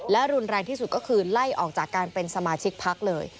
และรุนแรงที่สุดก็คือไล่ออกจากการเป็นสมาชิกพักเลย